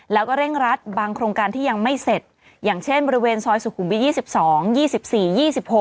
แล้วก็เร่งรัดบางโครงการที่ยังไม่เสร็จอย่างเช่นบริเวณซอยสุขุมวิทย์๒๒๒๔๒๖